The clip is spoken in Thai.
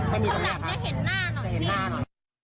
คนหลังเห็นหน้าหน่อย